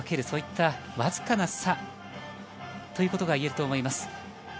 そういったわずかな差ということが言えると思います。